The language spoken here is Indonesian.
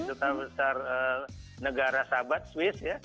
duta besar negara sahabat swiss ya